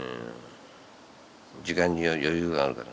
時間に余裕があるから。